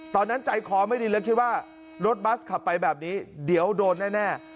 ตอนนั้นใจคอไม่ดีแล้วคิดว่ารถบัสขับไปแบบนี้เดี๋ยวโดนแน่